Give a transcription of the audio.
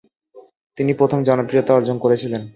তিনি প্রথম জনপ্রিয়তা অর্জন করেছিলেন।